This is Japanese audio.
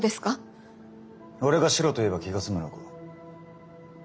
俺がしろと言えば気が済むのか？